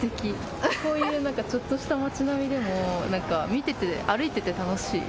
こういうちょっとした町並みでも歩いていて楽しい。